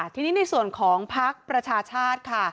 ทีนี้ในส่วนของพักประชาชาติค่ะ